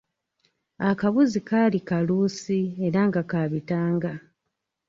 Akabuzi kaali kaluusi era nga kabitanga.